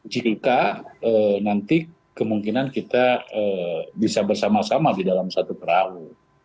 jika nanti kemungkinan kita bisa bersama sama di dalam satu perahu